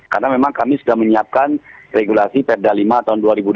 karena memang kami sudah menyiapkan regulasi peda lima tahun dua ribu dua puluh